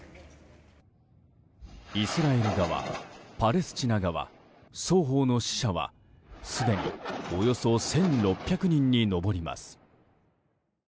イスラエル側、パレスチナ側双方の死者はすでにおよそ１６００人に上ります。